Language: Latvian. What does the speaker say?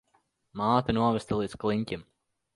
Māte novesta līdz kliņķim.